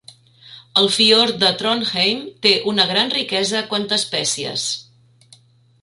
El fiord de Trondheim té una gran riquesa quant a espècies.